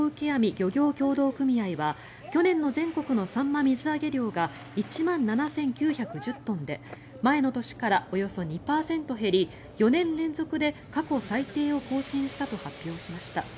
漁業協同組合は去年の全国のサンマ水揚げ量が１万７９１０トンで前の年からおよそ２％減り４年連続で過去最低を更新したと発表しました。